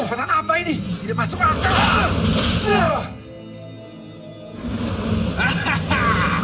hanya ini kemampuanku